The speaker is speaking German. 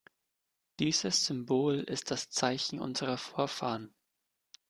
Dieses Symbol ist das Zeichen unserer Vorfahren.